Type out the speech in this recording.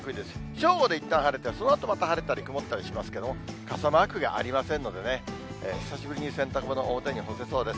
正午でいったん晴れて、そのあとまた晴れたりくもったりしますけれども、傘マークがありませんのでね、久しぶりに洗濯物、表に干せそうです。